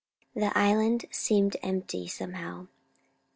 The island seemed empty, somehow.